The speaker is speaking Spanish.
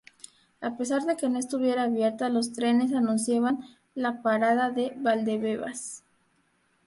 A pesar de que no estuviera abierta, los trenes anunciaban la parada de Valdebebas.